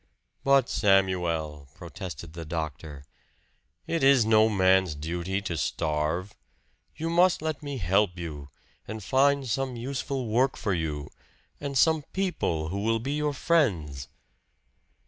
"But, Samuel," protested the doctor, "it is no man's duty to starve. You must let me help you, and find some useful work for you, and some people who will be your friends."